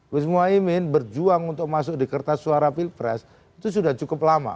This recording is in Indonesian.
gus muhaymin berjuang untuk masuk di kertas suara pilpres itu sudah cukup lama